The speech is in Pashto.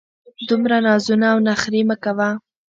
دومره نازونه او نخرې مه کوه!